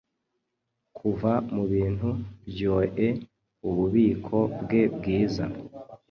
Kuva Mubintu byoe ububiko bwe bwiza